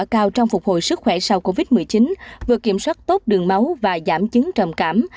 cao trong phục hồi sức khỏe sau covid một mươi chín vừa kiểm soát tốt đường máu và giảm chứng trầm cảm